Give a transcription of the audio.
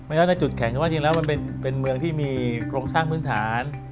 ไม่เล่าจุดแข็งจริงแล้วมันเป็นเมืองที่มีโครงสร้างพื้นฐาน